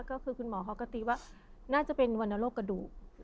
คุณหมอเขาก็ตีว่าน่าจะเป็นวันโรคกระดูก